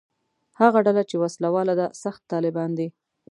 هغه ډله چې وسله واله ده «سخت طالبان» دي.